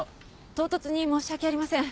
唐突に申し訳ありません。